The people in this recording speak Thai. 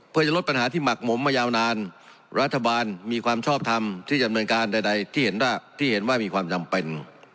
เพื่อจะลดปัญหาที่หมักหมมมายาวนานรัฐบาลมีความชอบทำที่จำเนินการใดที่เห็นว่ามีความจำเป็น